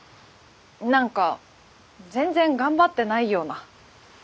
何か全然頑張ってないような。